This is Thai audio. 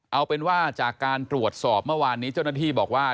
เอาเป็นว่าจากการตรวจสอบเมื่อวานนี้เจ้าหน้าที่บอกว่า